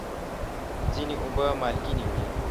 ځینې اوبه مالګینې وي.